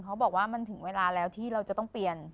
เขาบอกว่ามันถึงเวลาแล้วที่เราจะต้องเปลี่ยน